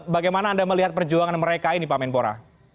bagaimana anda melihat perjuangan mereka ini pak menpora